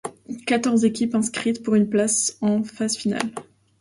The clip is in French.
Quatorze équipes inscrites pour une place en phase finale.